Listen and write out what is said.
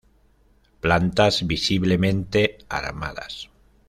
Plantas visiblemente armadas.